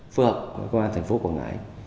phương hợp của công an thành phố quảng ngãi